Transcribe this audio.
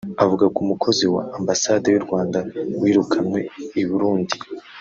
Avuga ku mukozi wa ambasade y’ u Rwanda wirukanwe i Burundi